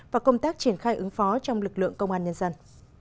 và công tác triển khai ứng phó trong lực lượng công an nhân dân